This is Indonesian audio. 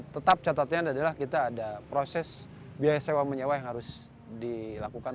tetap catatnya adalah kita ada proses biaya sewa menyewa yang harus dilakukan